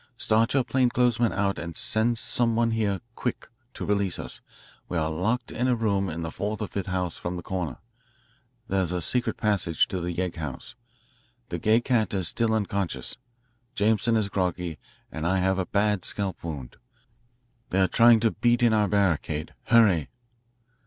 Start your plain clothes men out and send some one here, quick, to release us. We are locked in a room in the fourth or fifth house from the corner. There's a secret passage to the yegg house. The Gay Cat is still unconscious, Jameson is groggy, and I have a bad scalp wound. They are trying to beat in our barricade. Hurry."